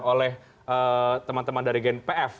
oleh teman teman dari gen pf